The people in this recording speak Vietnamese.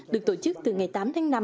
được tổ chức từ ngày tám tháng năm